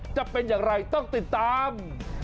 จะเป็นอย่างไรต้องติดตาม